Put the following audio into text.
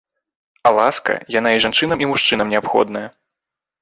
А ласка, яна і жанчынам і мужчынам неабходная.